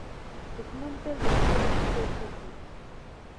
دښمن تل د سیوري په څېر پټ وي